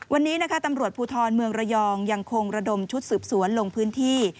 วันนี้นะคะตำรวจภูทรเมืองระยองยังคงระดมชุดสืบสวนลงพื้นที่